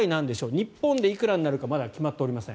日本でいくらになるかまだ決まっておりません。